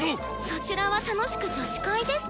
そちらは楽しく「女子会」ですか？